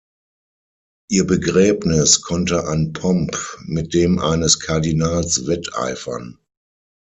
Ihr Begräbnis konnte an Pomp mit dem eines Kardinals wetteifern.